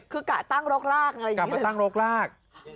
คือกะตั้งรกรากอะไรอย่างนี้